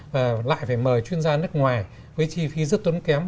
và lại phải mời chuyên gia nước ngoài với chi phí rất tốn kém